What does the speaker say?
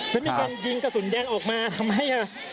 แล้วมีการยิงกระสุนแดงออกมาทำให้